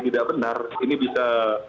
tidak benar ini bisa